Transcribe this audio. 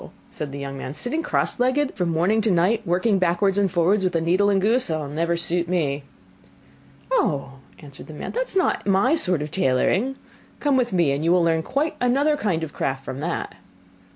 said the young man; 'sitting cross legged from morning to night, working backwards and forwards with a needle and goose, will never suit me.' 'Oh!' answered the man, 'that is not my sort of tailoring; come with me, and you will learn quite another kind of craft from that.